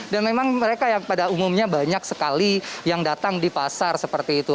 dan memang mereka yang pada umumnya banyak sekali yang datang di pasar seperti itu